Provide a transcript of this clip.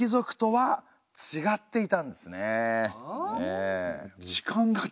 はい。